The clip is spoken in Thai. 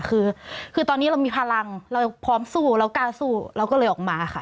คือคือตอนนี้เรามีพลังเราพร้อมสู้เรากล้าสู้เราก็เลยออกมาค่ะ